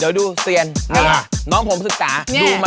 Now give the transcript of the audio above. เราไล่ร้านสุดท้าย